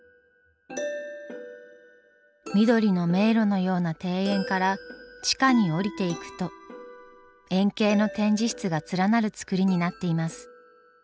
緑の迷路のような庭園から地下に下りていくと円形の展示室が連なる造りになっています。